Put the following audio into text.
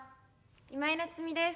今井菜津美です。